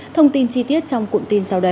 thông tin chi tiết trong cuộn tin sau đây